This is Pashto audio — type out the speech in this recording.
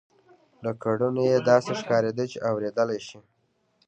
له کړنو یې داسې ښکارېده چې اورېدلای شي